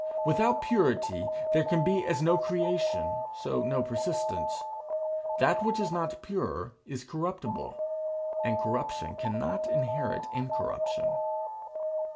Without purity there can be as no creation so no persistence. That which is not pure is corruptible, and corruption cannot inherit incorruption.